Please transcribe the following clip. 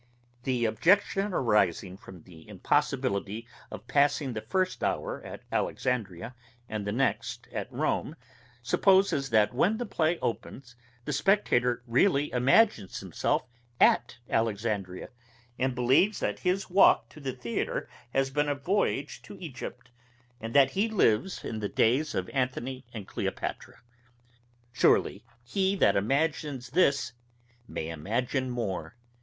The objection arising from the impossibility of passing the first hour at Alexandria, and the next at Rome, supposes, that when the play opens, the spectator really imagines himself at Alexandria, and believes that his walk to the theatre has been a voyage to Egypt, and that he lives in the days of Antony and Cleopatra. Surely he that imagines this may imagine more.